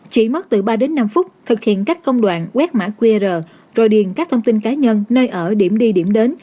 chỉ mất từ ba đến năm phút thực hiện các công đoạn quét mã qr rồi điền các thông tin cá nhân nơi ở điểm đi điểm đến